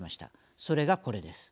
それが、これです。